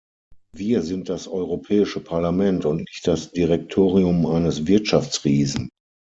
Wir sind das Europäische Parlament und nicht das Direktorium eines Wirtschaftsriesen.